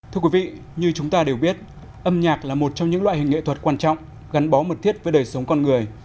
thưa quý vị như chúng ta đều biết âm nhạc là một trong những loại hình nghệ thuật quan trọng gắn bó mật thiết với đời sống con người